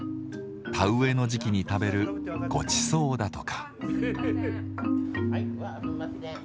田植えの時期に食べるごちそうだとか。